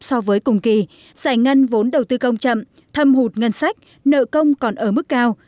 so với cùng kỳ giải ngân vốn đầu tư công chậm thâm hụt ngân sách nợ công còn ở mức cao